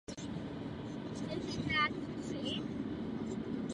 Sovětské výrobní zařízení byly přestavěny nebo opraveny v průběhu šesti týdnů.